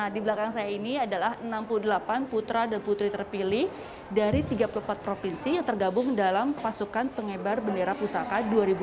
di belakang saya ini adalah enam puluh delapan putra dan putri terpilih dari tiga puluh empat provinsi yang tergabung dalam pasukan pengebar bendera pusaka dua ribu dua puluh